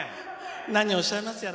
何をおっしゃいますやら。